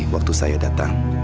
waktu saya datang